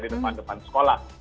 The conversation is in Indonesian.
di depan depan sekolah